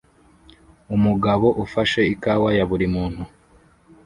Umugabo ufashe ikawa ya buri muntu